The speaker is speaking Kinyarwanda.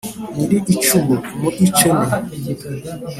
nyiri icumu mu icene.